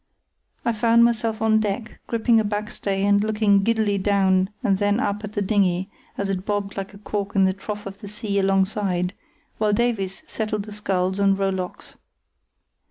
I found myself on deck, gripping a backstay and looking giddily down and then up at the dinghy, as it bobbed like a cork in the trough of the sea alongside, while Davies settled the sculls and rowlocks.